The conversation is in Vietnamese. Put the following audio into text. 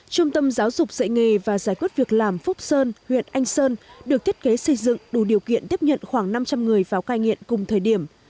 trung tâm giáo dục dạy nghề và giải quyết việc làm phúc sơn huyện anh sơn được thiết kế xây dựng đủ điều kiện tiếp nhận khoảng năm trăm linh người vào cai nghiện cùng thời điểm